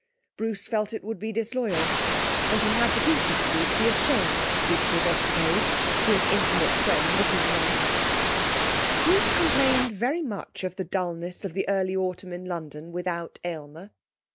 Bruce felt it would be disloyal, and he had the decency to be ashamed to speak of his escapade to an intimate friend of his wife. Bruce complained very much of the dullness of the early autumn in London without Aylmer.